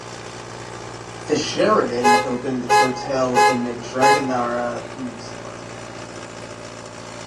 The Sheraton opened its hotel in the Dragonara Peninsula.